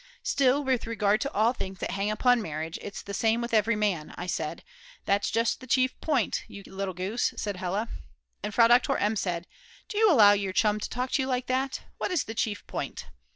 "Still, with regard to all the things that hang upon marriage, it's the same with every man," said I. "That's just the chief point, you little goose," said Hella. And Frau Doktor M. said: "Do you allow your chum to talk to you like that? What is the chief point?"